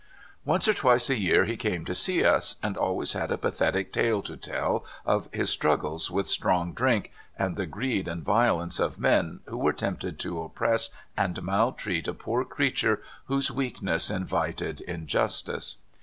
Once or twice a year he came to see us, and al ways had a pathetic tale to tell of his struggles with strong drink, and the greed and violence of men who were tempted to oppress and maltreat a poor creature whose weakness invited injustice.